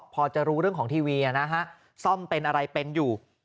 พอจะรู้เรื่องของทีวีนะฮะซ่อมเป็นอะไรเป็นอยู่